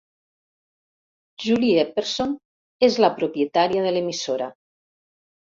Julie Epperson és la propietària de l'emissora.